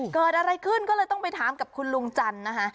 เกิดอะไรขึ้นก็เลยต้องไปถามกับคุณลุงจันทร์นะคะ